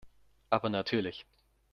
Aber natürlich.